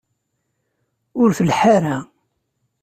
Ur tḥellu ara.